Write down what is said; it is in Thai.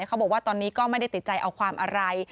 เขาบอกว่าตอนนี้ก็ไม่ได้ติดใจเอาความอะไร